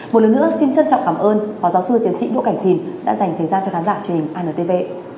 một lần nữa xin trân trọng cảm ơn phó giáo sư tiến sĩ đỗ cảnh thìn đã dành thời gian cho khán giả truyền hình antv